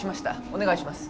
お願いします。